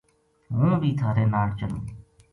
ہوں بی تھہارے ناڑ چلوں‘‘